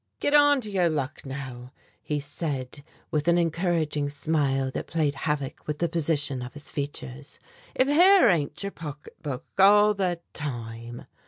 "Get on to your luck now," he said with an encouraging smile that played havoc with the position of his features; "if here ain't your pocket book all the time!"